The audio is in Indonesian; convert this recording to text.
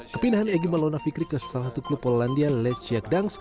kepindahan egy maulona fikri ke salah satu klub polandia leciakdans